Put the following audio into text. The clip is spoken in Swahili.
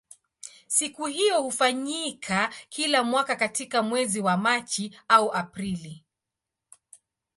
Siku hiyo hufanyika kila mwaka katika mwezi wa Machi au Aprili.